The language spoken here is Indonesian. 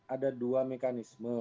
ada dua mekanisme